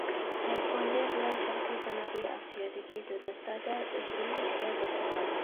ياپونىيە بىلەن شەرقىي جەنۇبىي ئاسىيادىكى دۆلەتلەردە ئۆستۈرۈلۈشكە باشلىغان.